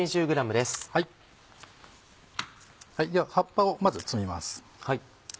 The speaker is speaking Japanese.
では葉っぱをまず摘みます。